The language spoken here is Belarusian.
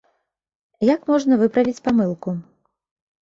Як можна выправіць памылку?